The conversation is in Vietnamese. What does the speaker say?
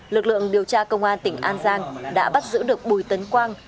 lực lượng điều tra công an tỉnh an giang đã bắt giữ được bùi tấn quang